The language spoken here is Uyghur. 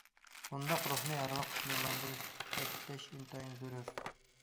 بۇنداق روھنى ھەر ۋاقىت نۇرلاندۇرۇش، تەكىتلەش ئىنتايىن زۆرۈر.